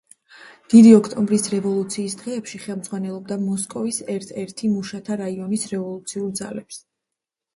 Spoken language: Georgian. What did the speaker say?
დიდი ოქტომბრის რევოლუციის დღეებში ხელმძღვანელობდა მოსკოვის ერთ-ერთი მუშათა რაიონის რევოლუციურ ძალებს.